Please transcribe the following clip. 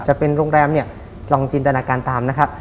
จะเป็นโรงแรมเนี่ยลองจินตนาการตามนะครับ